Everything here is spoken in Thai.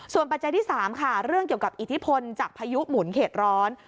ส่วนปัจจัยที่๓ค่ะเรื่องเกี่ยวกับอิทธิพลจากพายุหมุนเขตร้อน